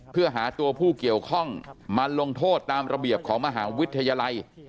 เพื่อหาตัวผู้เกี่ยวข้องมาลงโทษตามระเบียบของมหาวิทยาลัย